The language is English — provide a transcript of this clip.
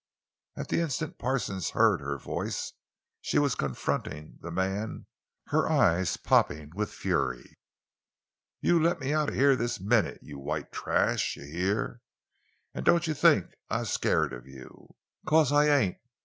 At the instant Parsons heard her voice she was confronting the man, her eyes popping with fury. "You let me out of heah this minute, yo' white trash! Yo' heah! An' doan' you think I's scared of you, 'cause I ain't!